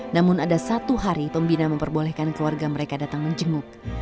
namun ada satu hari pembina memperbolehkan keluarga mereka datang menjenguk